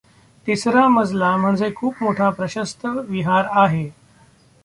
तिसरा मजला म्हणजे खूप मोठा प्रशस्त विहार आहे.